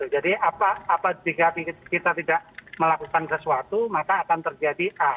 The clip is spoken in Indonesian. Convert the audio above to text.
jadi apabila kita tidak melakukan sesuatu maka akan terjadi a